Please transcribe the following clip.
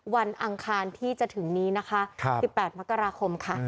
อังคารที่จะถึงนี้นะคะ๑๘มกราคมค่ะ